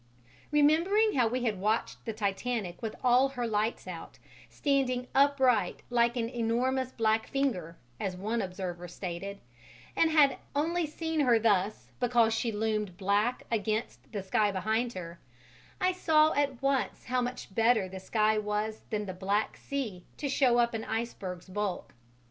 Remembering how we had watched the Titanic with all her lights out, standing upright like "an enormous black finger," as one observer stated, and had only seen her thus because she loomed black against the sky behind her, I saw at once how much better the sky was than the black sea to show up an iceberg's bulk.